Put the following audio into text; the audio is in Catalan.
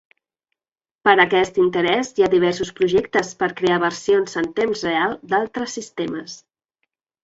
Per aquest interès hi ha diversos projectes per crear versions en temps real d'altres sistemes.